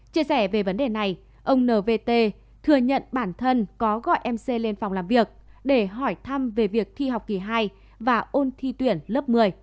chia sẻ về vấn đề này ông nvt thừa nhận bản thân có gọi mc lên phòng làm việc để hỏi thăm về việc thi học kỳ hai và ôn thi tuyển lớp một mươi